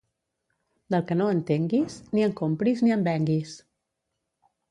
Del que no entenguis, ni en compris ni en venguis.